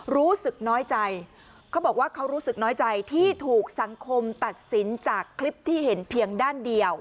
รู้สึกน้อยใจเขาบอกว่าเขารู้สึกน้อยใจที่ถูกสังคมตัดสินจากคลิปที่เห็นเพียงด้านเดียว